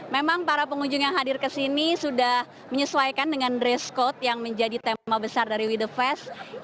memang para pengunjung yang hadir ke sini sudah menyesuaikan dengan dress code yang menjadi tema besar dari wi the fest